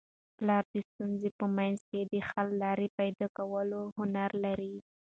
پلار د ستونزو په منځ کي د حل لاري پیدا کولو هنر لري.